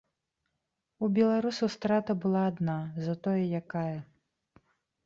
У беларусаў страта была адна, затое якая!